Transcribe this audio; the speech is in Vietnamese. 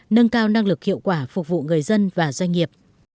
nâng cao năng lực hiệu quả phục vụ người dân và doanh nghiệp